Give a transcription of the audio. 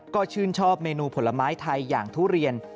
ก็ชื่นชอบเมนูผลไม้ไทยอย่างทุเรียน